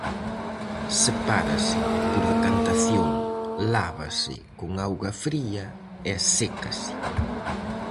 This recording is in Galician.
Sepárase por decantación, lávase con auga fría e sécase.